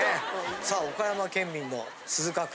さあ岡山県民の鈴鹿君。